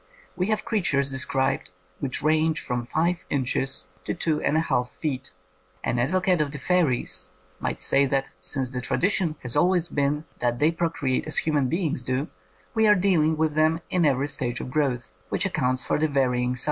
We have creatures described which range from five inches to two and a half feet. An advocate of the fairies might say that, since the tradi tion has always been that they procreate as human beings do, we are dealing with them in ever>^ stage of growth, which accounts for the varying size.